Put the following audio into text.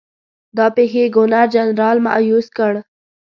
دا پیښې ګورنرجنرال مأیوس کړ.